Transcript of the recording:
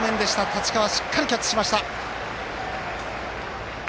太刀川しっかりキャッチしました。